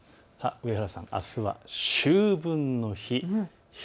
上原さん、あすは秋分の日です。